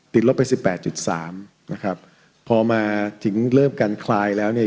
ลบไปสิบแปดจุดสามนะครับพอมาถึงเริ่มการคลายแล้วเนี่ย